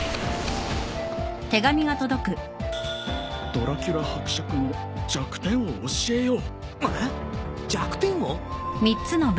「ドラキュラ伯爵の弱点を教えよう」えっ！？弱点を？